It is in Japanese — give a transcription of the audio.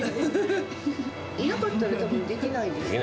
いなかったら、たぶんできないですね。